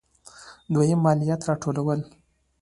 دویم: مالیات راټولول.